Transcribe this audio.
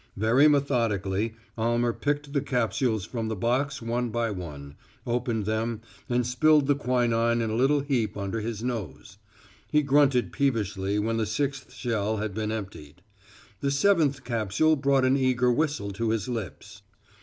Very methodically Almer picked the capsules from the box one by one, opened them, and spilled the quinine in a little heap under his nose. He grunted peevishly when the sixth shell had been emptied. The seventh capsule brought an eager whistle to his lips.